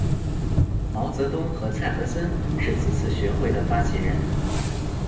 毛泽东和蔡和森是此学会的发起人。